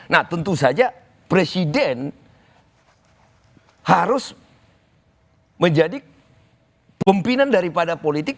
nah tentu saja presiden harus menjadi pimpinan daripada politik